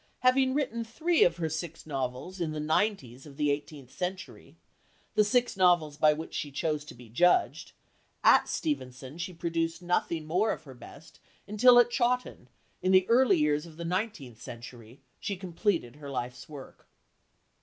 Having written three of her six novels in the nineties of the eighteenth century the six novels by which she chose to be judged at Steventon, she produced nothing more of her best until at Chawton, in the early years of the nineteenth century, she completed her life's work.